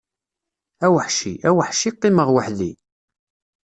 A weḥci, a weḥci, qqimeɣ weḥdi!